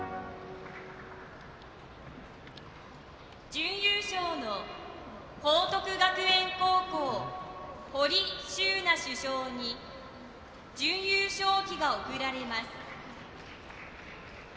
準優勝の報徳学園高校堀柊那主将に準優勝旗が贈られます。